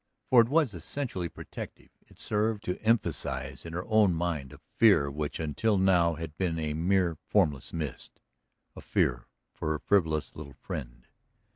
For it was essentially protective; it served to emphasize in her own mind a fear which until now had been a mere formless mist, a fear for her frivolous little friend.